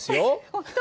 本当？